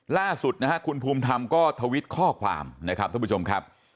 ล่าสุดนะฮะคุณภูมิธรรมก็ทวิตข้อความนะครับท่านผู้ชมครับ